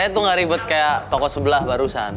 saya tuh gak ribet kayak toko sebelah barusan